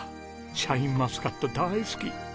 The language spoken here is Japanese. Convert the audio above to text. シャインマスカット大好き。